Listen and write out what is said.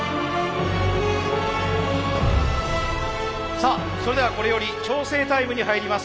さあそれではこれより調整タイムに入ります。